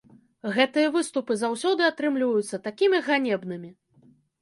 Гэтыя выступы заўсёды атрымліваюцца такімі ганебнымі!